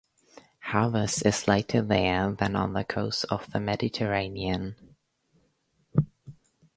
Harvest is later there than on the coasts of the Mediterranean.